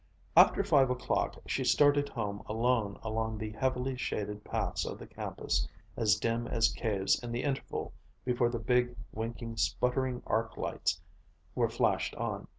After five o'clock she started home alone along the heavily shaded paths of the campus, as dim as caves in the interval before the big, winking sputtering arc lights were flashed on.